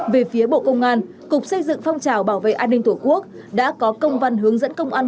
về phía bộ công an cục xây dựng phong trào bảo vệ an ninh tổ quốc đã có công văn hướng dẫn công an